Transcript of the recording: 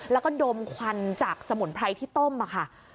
แล้วก็ดมควันจากสมุนไพรที่ต้มค่ะ